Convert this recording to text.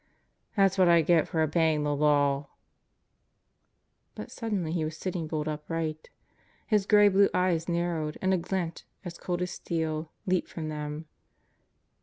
"That's what I get for obeying the law I" But suddenly he was sitting bolt upright. His gray blue eyes narrowed and a glint, as cold as steel, leaped from them.